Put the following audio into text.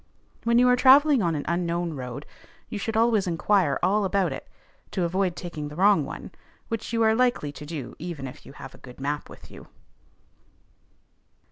When you are travelling on an unknown road, you should always inquire all about it, to avoid taking the wrong one, which you are likely to do, even if you have a good map with you.